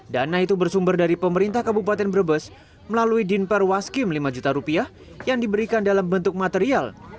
dana itu bersumber dari pemerintah kabupaten brebes melalui dinper waskim lima juta rupiah yang diberikan dalam bentuk material